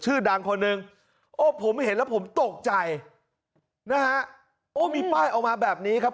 ชื่อดังคนหนึ่งโอ้ผมเห็นแล้วผมตกใจนะฮะโอ้มีป้ายออกมาแบบนี้ครับ